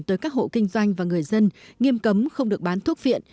tới các hộ kinh doanh và người dân nghiêm cấm không được bán thuốc viện